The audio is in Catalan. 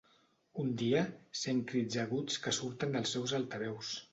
Un dia, sent crits aguts que surten dels seus altaveus.